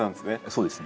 そうです。